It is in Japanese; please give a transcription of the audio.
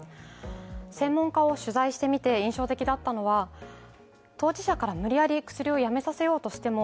専門家を取材してみて印象的だったのは当事者から無理やり、薬をやめさせようとしても